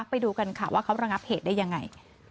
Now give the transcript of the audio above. ไปดูกันค่ะว่าเขาระงับเหตุได้ยังไง